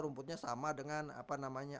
rumputnya sama dengan apa namanya